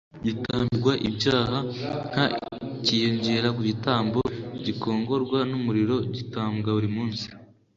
gitambirwa ibyaha h cyiyongera ku gitambo gikongorwa n umuriro gitambwa buri munsi